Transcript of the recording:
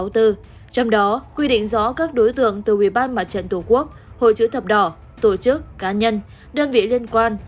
trong đó quy định rõ các đối tượng từ ủy ban mặt trận tổ quốc hội chữ thập đỏ tổ chức cá nhân đơn vị liên quan